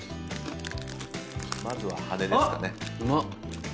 まずは羽根ですかね。